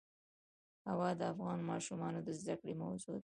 هوا د افغان ماشومانو د زده کړې موضوع ده.